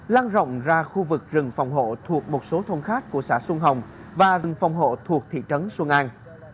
lan rộng ra khu vực rừng phòng hộ thuộc một số thôn khác của xã xuân hồng và rừng phòng hộ thuộc thị trấn xuân an